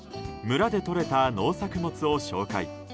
村で取れた農作物を紹介。